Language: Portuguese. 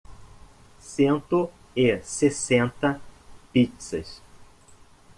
Cento e sessenta pizzas